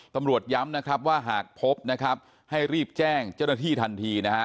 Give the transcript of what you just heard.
ตำรวจย้ำว่าหากพบให้รีบแจ้งเจ้าหน้าที่ทันที